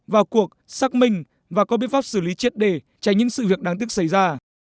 vào cuộc xác minh và có biện pháp xử lý triệt để tránh những sự việc đáng tiếc xảy ra